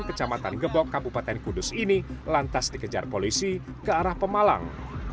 kecamatan gebok kabupaten kudus ini lantas dikejar polisi ke arah pemalang